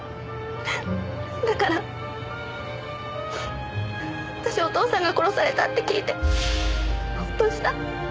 だから私お父さんが殺されたって聞いてホッとした！